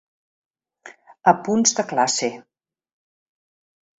Apunts de classe.